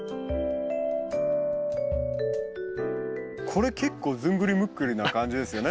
これ結構ずんぐりむっくりな感じですよね。